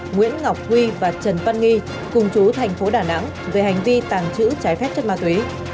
nguyễn ngọc huy và trần văn nghi cùng chú tp đà nẵng về hành vi tàng trữ trái phép chất ma quý